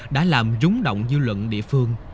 đã làm rúng động dư luận địa phương